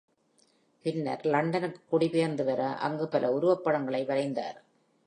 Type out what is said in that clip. பின்னர் லண்டனுக்கு குடிபெயர்ந்தவர, அங்கு பல உருவப்படங்களை வரைந்தார்.